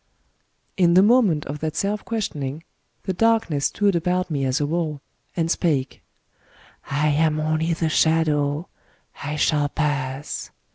* In the moment of that self questioning, the Darkness stood about me as a wall, and spake :—*^ I am only the Shadow : I shall pass.